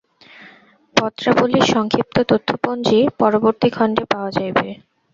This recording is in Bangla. পত্রাবলীর সংক্ষিপ্ত তথ্যপঞ্জী পরবর্তী খণ্ডে পাওয়া যাইবে।